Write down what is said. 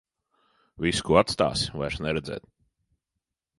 Visu, ko atstāsi, vairs neredzēt.